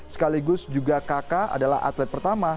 sekaligus juga kakak adalah atlet pertama